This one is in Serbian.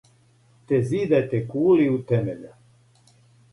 "Те зидајте кули у темеља."